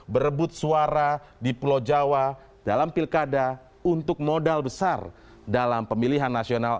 berebut suara di pulau jawa dalam pilkada untuk modal besar dalam pemilihan nasional